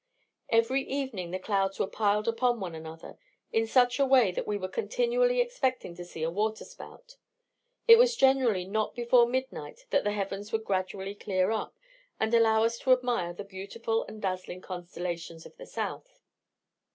Every evening the clouds were piled upon one another in such a way that we were continually expecting to see a water spout; it was generally not before midnight that the heavens would gradually clear up, and allow us to admire the beautiful and dazzling constellations of the South.